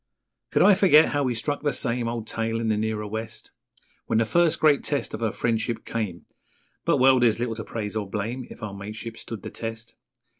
Could I forget how we struck 'the same Old tale' in the nearer West, When the first great test of our friendship came But well, there's little to praise or blame If our mateship stood the test.